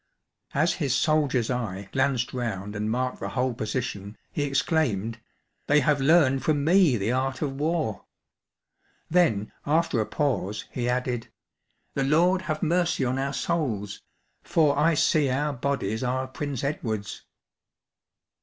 As his soldier's eye glanced round and marked the whole position, he ex claimed, '' They have learned fit)m me the art of war r* Then, after a pause, he added, " The Lord have mercy on our souls, for I see our bodies are Prince Edward's."